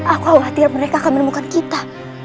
aku khawatir mereka akan menemukan kita